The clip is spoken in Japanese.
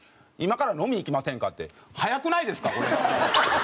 「今から飲みに行きませんか？」って早くないですか？